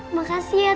makasih ya tante